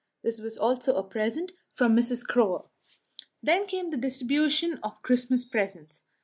This was also a present from Mrs. Schroer. Then came the distribution of Christmas presents.